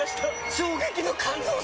衝撃の感動作！